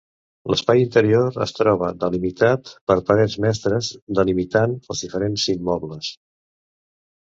L'espai interior es troba delimitat per parets mestres delimitant els diferents immobles.